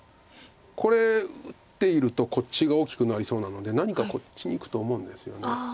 これ打っているとこっちが大きくなりそうなので何かこっちにいくと思うんですよね。